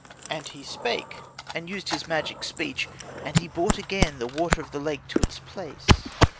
And he spake, and used his magic speech; and he brought again the water of the lake to its place.